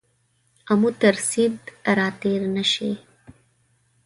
آمو تر سیند را تېر نه شې.